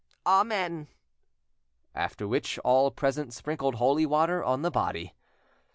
Amen." After which all present sprinkled holy water on the body....